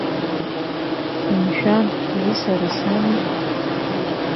Умшәан, ари сара сами.